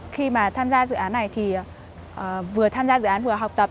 khi mà tham gia dự án này thì vừa tham gia dự án vừa học tập